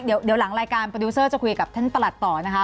เดี๋ยวหลังรายการโปรดิวเซอร์จะคุยกับท่านประหลัดต่อนะคะ